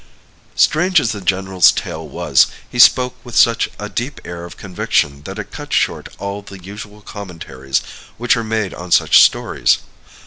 Strange as the general's tale was, he spoke with such a deep air of conviction that it cut short all the usual commentaries which are made on such stories.